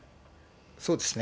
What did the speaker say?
そうですね。